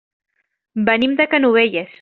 Venim de Canovelles.